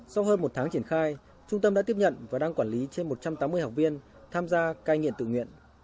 sau hơn một tháng triển khai trung tâm đã tiếp nhận và đang quản lý trên một trăm tám mươi học viên tham gia cai nghiện tự nguyện